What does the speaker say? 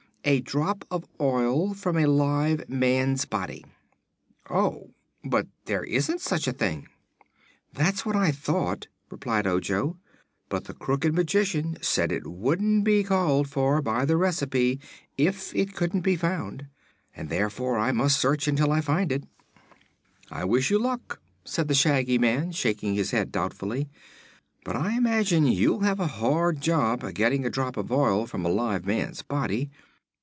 "A drop of oil from a live man's body." "Oh; but there isn't such a thing." "That is what I thought," replied Ojo; "but the Crooked Magician said it wouldn't be called for by the recipe if it couldn't be found, and therefore I must search until I find it." "I wish you good luck," said the Shaggy Man, shaking his head doubtfully; "but I imagine you'll have a hard job getting a drop of oil from a live man's body.